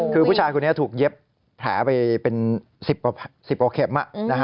คือผู้ชายคนนี้ถูกเย็บแผลไปเป็น๑๐กว่าเข็ม